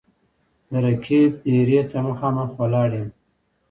د رقیب دېرې ته مـــخامخ ولاړ یـــــم